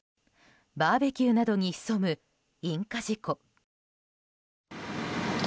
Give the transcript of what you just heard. バーベキューなどに潜む引火事故。